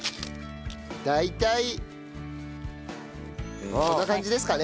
大体こんな感じですかね？